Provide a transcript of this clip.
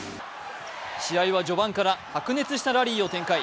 試合は序盤から白熱したラリーを展開。